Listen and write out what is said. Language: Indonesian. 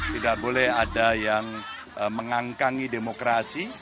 tidak boleh ada yang mengangkangi demokrasi